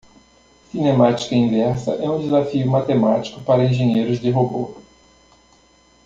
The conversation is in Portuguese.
Cinemática inversa é um desafio matemático para engenheiros de robô.